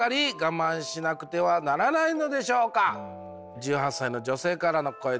１８歳の女性からの声です。